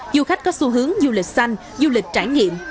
du khách có xu hướng du lịch xanh du lịch trải nghiệm